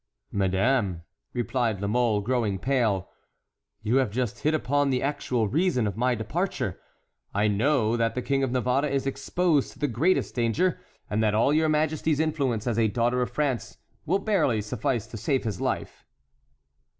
"Madame," replied La Mole, growing pale, "you have just hit upon the actual reason of my departure. I know that the King of Navarre is exposed to the greatest danger, and that all your majesty's influence as a daughter of France will barely suffice to save his life."